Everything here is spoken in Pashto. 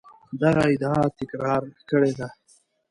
دغه ادعا تکرار کړې ده.